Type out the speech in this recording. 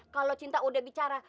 kalau cinta udah bicara